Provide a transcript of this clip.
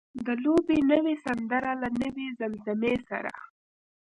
د لوبې نوې سندره له نوې زمزمې سره.